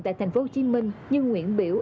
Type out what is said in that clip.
tại tp hcm như nguyễn biểu